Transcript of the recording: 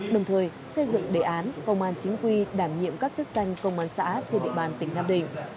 đồng thời xây dựng đề án công an chính quy đảm nhiệm các chức danh công an xã trên địa bàn tỉnh nam định